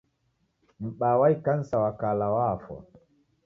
M'baa wa ikanisa wa kala wafwa.